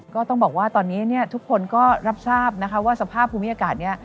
ก็ต้องบอกว่าตอนนี้ทุกคนก็รับทราบนะคะว่าสภาพภูมิอากาศนี้